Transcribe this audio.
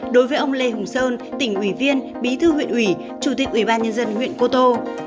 đối với ông lê hùng sơn tỉnh ủy viên bí thư huyện ủy chủ tịch ủy ban nhân dân huyện cô tô